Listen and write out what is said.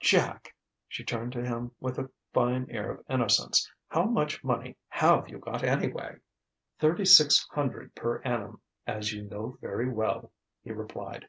"Jack!" she turned to him with a fine air of innocence "how much money have you got, anyway?" "Thirty six hundred per annum, as you know very well," he replied.